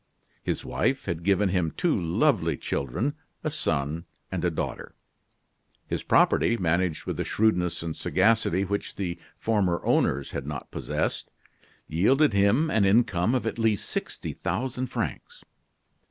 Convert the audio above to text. His wife had given him two lovely children, a son and a daughter. His property, managed with a shrewdness and sagacity which the former owners had not possessed, yielded him an income of at least sixty thousand francs.